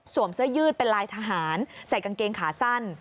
เสื้อยืดเป็นลายทหารใส่กางเกงขาสั้น